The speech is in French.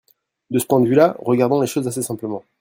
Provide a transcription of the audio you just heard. De ce point de vue-là, regardons les choses assez simplement.